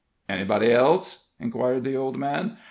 "Anybody else?" inquired the old man.